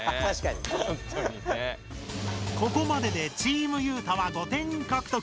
ここまででチームゆうたは５点獲得！